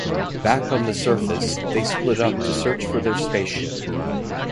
Back on the surface, they split up to search for their spaceship.